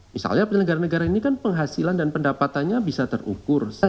misalnya penyelenggara negara ini kan penghasilan dan pendapatannya bisa terukur